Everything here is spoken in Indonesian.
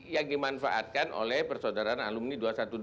yang dimanfaatkan oleh persaudaraan alumni dua ratus dua belas